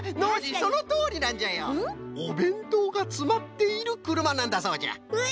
おべんとうがつまっているくるまなんだそうじゃ。え！